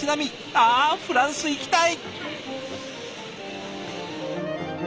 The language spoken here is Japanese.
あフランス行きたい！